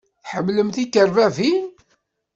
Tḥemmlem tikerbabin?